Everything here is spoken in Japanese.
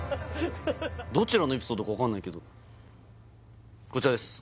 どちらのエピソードか分かんないけどこちらです